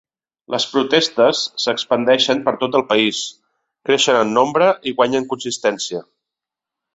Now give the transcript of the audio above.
Les protestes s’expandeixen per tot el país, creixen en nombre i guanyen consistència.